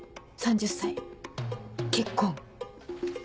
「３０歳結婚」。